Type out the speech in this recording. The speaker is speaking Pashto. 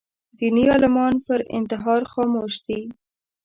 دیني عالمان پر انتحار خاموش دي